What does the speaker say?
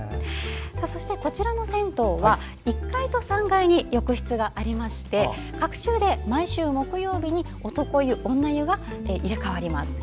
そして、こちらの銭湯は１階と３階に浴室がありまして隔週で毎週木曜日に男湯、女湯が入れ替わります。